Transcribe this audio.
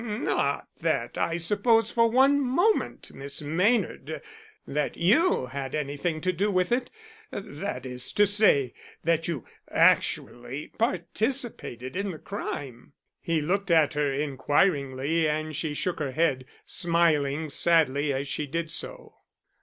"Not that I suppose for one moment, Miss Maynard, that you had anything to do with it that is to say, that you actually participated in the crime." He looked at her inquiringly and she shook her head, smiling sadly as she did so.